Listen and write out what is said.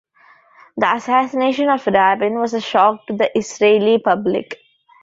The assassination of Rabin was a shock to the Israeli public.